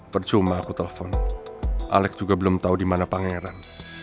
percuma aku telpon alex juga belum tahu di mana pangeran